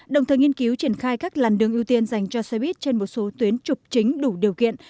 đồng thời nghiên cứu triển khai các làn đường ưu tiên dành cho xe buýt trên một số tuyến trục chính đủ điều kiện